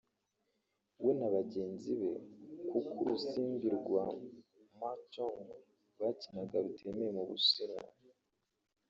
we na bagenzi be kuko urusimbi rwa Mahjong bakinaga rutemewe mu Bushinwa